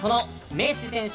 メッシ選手！